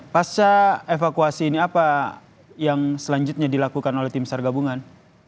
pasca evakuasi ini apa yang selanjutnya dilakukan oleh tim sargabungan